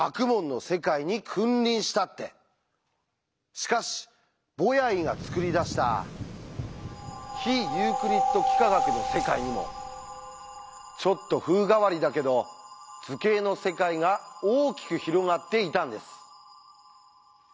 しかしボヤイが作り出した非ユークリッド幾何学の世界にもちょっと風変わりだけど図形の世界が大きく広がっていたんです。